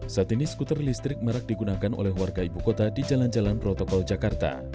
saat ini skuter listrik marak digunakan oleh warga ibu kota di jalan jalan protokol jakarta